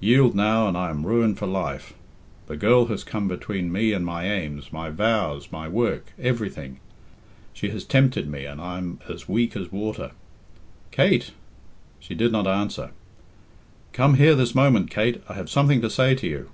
Yield now and I am ruined for life. The girl has come between me and my aims, my vows, my work everything. She has tempted me, and I am as weak as water." "Kate!" She did not answer. "Come here this moment, Kate. I have something to say to you."